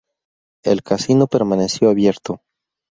El casino permaneció abierto.